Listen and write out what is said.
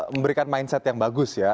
memberikan mindset yang bagus ya